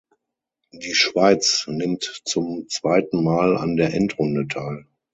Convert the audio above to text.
Die Schweiz nimmt zum zweiten Mal an der Endrunde teil.